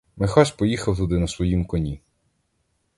Михась поїхав туди на своїм коні.